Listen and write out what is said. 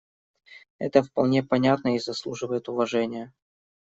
Это вполне понятно и заслуживает уважения.